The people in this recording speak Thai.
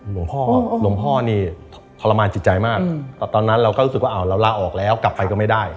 หลวงพ่อหลวงพ่อนี่ทรมานจิตใจมากแต่ตอนนั้นเราก็รู้สึกว่าเราลาออกแล้วกลับไปก็ไม่ได้